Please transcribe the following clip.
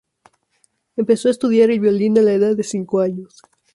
Empezó a estudiar el violín a la edad de cinco años.